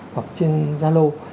hoặc trên zalo